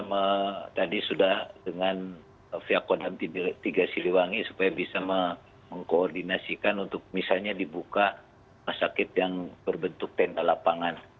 kita tadi sudah dengan via kodam tiga siliwangi supaya bisa mengkoordinasikan untuk misalnya dibuka rumah sakit yang berbentuk tenda lapangan